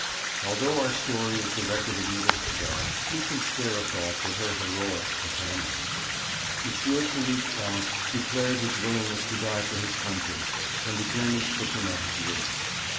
Although our story is the record of Edith Cavell, we can spare a thought for her heroic companions. M. Philippe Bancq declared his willingness to die for his country, and the Germans took him at his word.